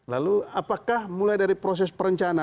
lalu apakah mulai dari proses perencanaan